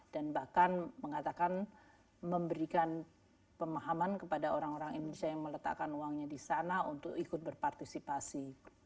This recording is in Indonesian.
dan bahkan mengatakan memberikan pemahaman kepada orang orang indonesia yang meletakkan uangnya disana untuk ikut berpartisipasi